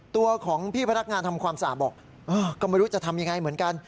ตัวของพี่พนักงานทำความสะอาดบอกก็ไม่รู้จะทำยังไงเหมือนกัน